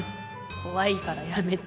怖いからやめて。